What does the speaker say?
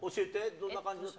どんな感じです